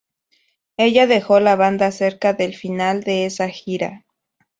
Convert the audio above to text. Ella dejó la banda cerca del final de esa gira.